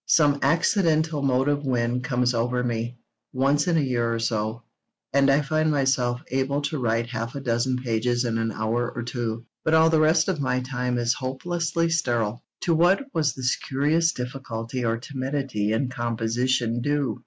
Some accidental motive wind comes over me, once in a year or so, and I find myself able to write half a dozen pages in an hour or two: but all the rest of my time is hopelessly sterile. To what was this curious difficulty or timidity in composition due?